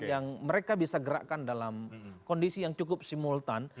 yang mereka bisa gerakkan dalam kondisi yang cukup simultan